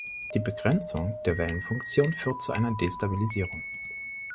Die Begrenzung der Wellenfunktion führt zu einer Destabilisierung.